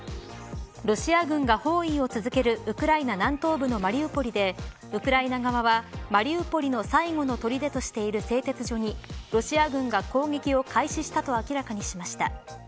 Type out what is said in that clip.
ロシア軍が包囲を続けるウクライナ南東部のマリウポリでウクライナ側はマリウポリの最後のとりでとしている製鉄所にロシア軍が攻撃を開始したと明らかにしました。